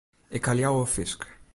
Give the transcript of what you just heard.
Ik ha leaver fisk.